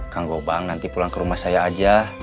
kang gobang nanti pulang ke rumah saya aja